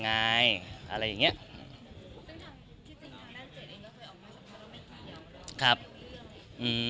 ตอนนั้นจริงทำนั่นเสร็จเองแล้วค่อยออกมาก่อนต้องไปที่เตียง